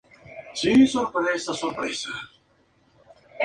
La Embajada de los Estados Unidos en Bosnia y Herzegovina se encuentra en Sarajevo.